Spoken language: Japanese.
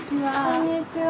こんにちは。